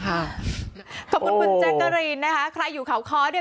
ขอบคุณคุณแจ๊กกะรีนนะคะใครอยู่เขาค้อเนี่ย